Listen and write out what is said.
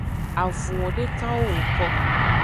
Avunwo dekawo woko.